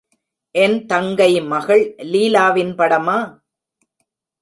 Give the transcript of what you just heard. என் தங்கை மகள் லீலாவின் படமா?